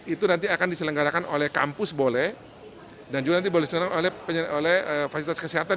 itu nanti akan diselenggarakan oleh kampus boleh dan juga nanti boleh diselenggarakan oleh fasilitas kesehatan